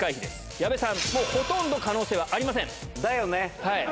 矢部さん、もうほとんど可能性はだよね。